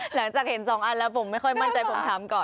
หลังจากเห็น๒อันแล้วผมไม่ค่อยมั่นใจผมถามก่อน